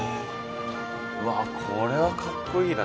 うわこれはかっこいいな。